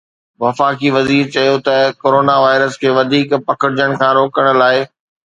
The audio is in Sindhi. وفاقي وزير چيو ته ڪورونا وائرس کي وڌيڪ پکڙجڻ کان روڪڻ لاءِ…